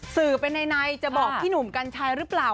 สื่อเป็นในจะบอกพี่หนุ่มกัญชัยหรือเปล่า